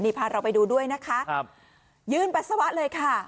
พาเราไปดูด้วยนะคะครับยืนปัสสาวะเลยค่ะ